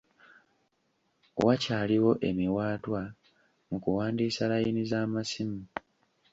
Wakyaliwo emiwaatwa mu kuwandiisa layini z'amasimu.